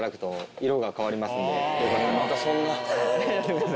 へぇまたそんな。